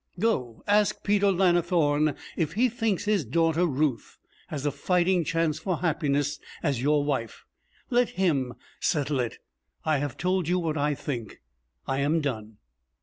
Go ask Peter Lannithorne if he thinks his daughter Ruth has a fighting chance for happiness as your wife. Let him settle it. I have told you what I think. I am done.'